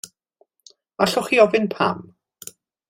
Allwch chi ofyn pam?